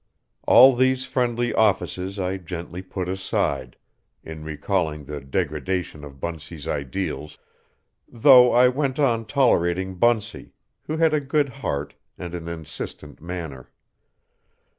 All these friendly offices I gently put aside, in recalling the degradation of Bunsey's ideals, though I went on tolerating Bunsey, who had a good heart and an insistent manner.